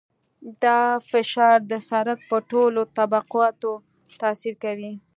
دا فشار د سرک په ټولو طبقاتو تاثیر کوي